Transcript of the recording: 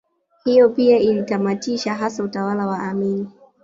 Hiyo pia ilitamatisha hasa utawala wa Amin